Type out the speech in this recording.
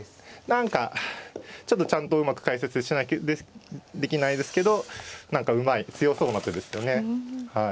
何かちょっとちゃんとうまく解説できないですけど何かうまい強そうな手ですよね。